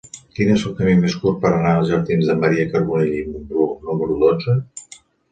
Quin és el camí més curt per anar als jardins de Maria Carbonell i Mumbrú número dotze?